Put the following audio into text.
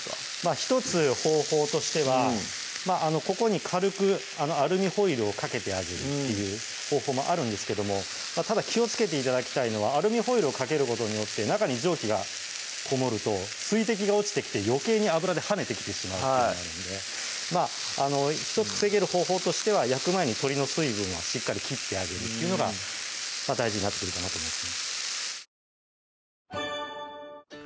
１つ方法としてはここに軽くアルミホイルをかけてあげるっていう方法もあるんですけどもただ気をつけて頂きたいのはアルミホイルをかけることによって中に蒸気がこもると水滴が落ちてきてよけいに油で跳ねてきてしまうというのがあるんで１つ防げる方法としては焼く前に鶏の水分をしっかり切ってあげるというのが大事になってくるかなと思います